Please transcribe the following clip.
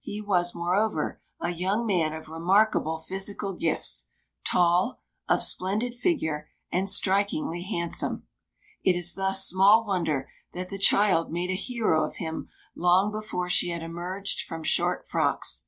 He was, moreover, a young man of remarkable physical gifts tall, of splendid figure, and strikingly handsome. It is thus small wonder that the child made a hero of him long before she had emerged from short frocks.